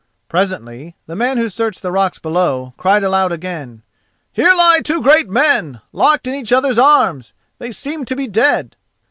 Presently the man who searched the rocks below cried aloud again: "Here lie two great men, locked in each other's arms. They seem to be dead."